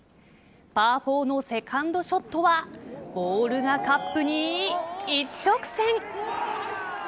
パー４のセカンドショットはボールがカップに一直線。